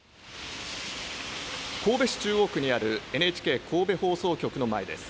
神戸市中央区にあるＮＨＫ神戸放送局の前です。